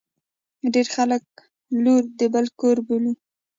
ډیر خلګ لور د بل کور بولي.